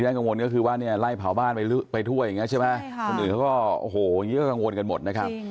โอ้โหอย่างนี้ก็กังวลกันหมดนะครับ